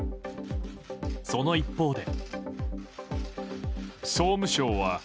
その一方で。